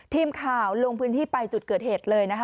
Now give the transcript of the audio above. ทีมข่าวลงพื้นที่ไปจุดเกิดเหตุเลยนะคะ